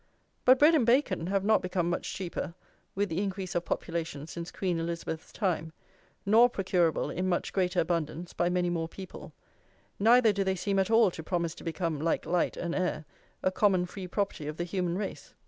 But bread and bacon have not become much cheaper with the increase of population since Queen Elizabeth's time, nor procurable in much greater abundance by many more people; neither do they seem at all to promise to become, like light and air, a common free property of the human race.